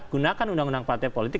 gunakan undang undang partai politik